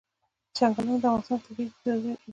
چنګلونه د افغانستان د طبیعي پدیدو یو رنګ دی.